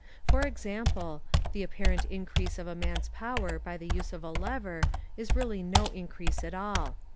For example, the apparent increase of a man's power by the use of a lever is really no increase at all.